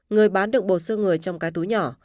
người bán được bột sương người trong cái túi nhỏ